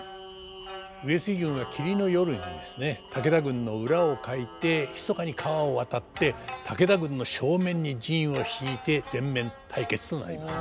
上杉軍が霧の夜にですね武田軍の裏をかいてひそかに川を渡って武田軍の正面に陣をしいて全面対決となります。